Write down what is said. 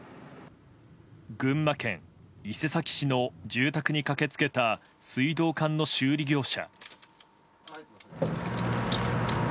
群馬県伊勢崎市の住宅に駆け付けた水道管の修理業者。